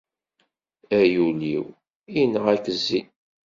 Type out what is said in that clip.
Ay ul-iw, yenɣa-k zzin.